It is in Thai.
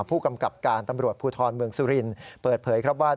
ผู้กำกับการตำรวจภูทรเมืองสุรินทร์เปิดเผยครับว่า